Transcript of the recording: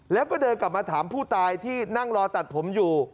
แล้วก็เดินกลับมาถามผู้ตายที่นั่งรอตัดผมอยู่